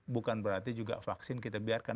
bukan berarti juga vaksin kita biarkan